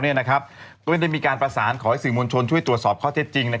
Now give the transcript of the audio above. ได้มีการประสานขอให้สื่อมวลชนช่วยตรวจสอบข้อเท็จจริง